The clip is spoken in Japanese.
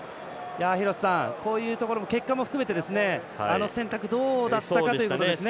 こういうところも結果も含めてあの選択、どうだったかっていうことですよね。